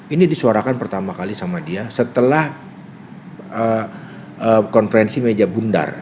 ini disuarakan pertama kali sama dia setelah konferensi meja bundar